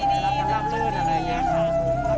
รับรับรับลื่นอะไรอย่างนี้ครับ